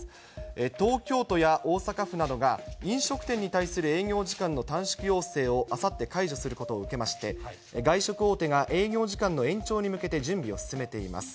東京都や大阪府などが、飲食店に対する営業時間の短縮要請をあさって解除することを受けまして、外食大手が営業時間の延長に向けて準備を進めています。